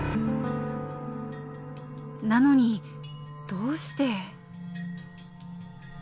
なのにどうして。